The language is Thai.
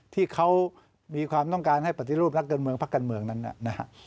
ที่เขามีความต้องการให้ปฏิรูปนักการเมืองพักการเมืองนั้นนะฮะ